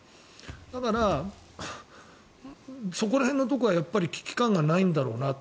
だから、そこら辺のところは危機感がないんだろうなと。